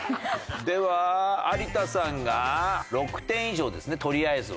では有田さんが６点以上ですねとりあえずは。